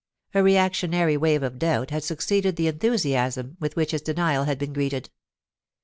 A reactionary wave of doubt had succeeded the enthusiasm with which his denial had been greeted.